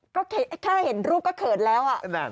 ก็แค่เห็นรูปก็เขินแล้ว